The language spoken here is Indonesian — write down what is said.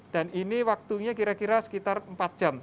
ini waktunya kira kira sekitar empat jam